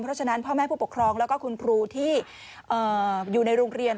เพราะฉะนั้นพ่อแม่ผู้ปกครองแล้วก็คุณครูที่อยู่ในโรงเรียน